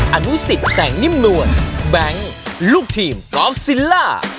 อนุสิตแสงนิ่มนวลแบงค์ลูกทีมกอล์ฟซิลล่า